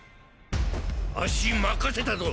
足任せたぞ。